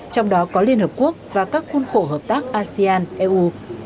trong đó có liên hợp quốc và các khuôn khổ hợp tác asean eu